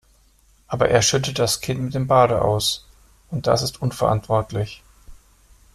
Aber er schüttet das Kind mit dem Bade aus, und das ist unverantwortlich.